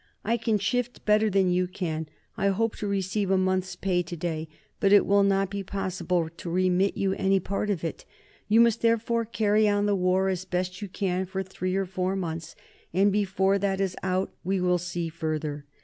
I can shift better than they can. I hope to receive a month's pay to day, but it will not be possible to remit you any part of it; you must therefore carry on the war as best you can for three or four months, and before that is out we will see further.